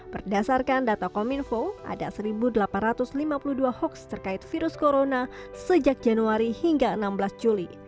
berdasarkan data kominfo ada satu delapan ratus lima puluh dua hoax terkait virus corona sejak januari hingga enam belas juli